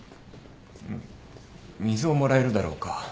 ん水をもらえるだろうか１杯。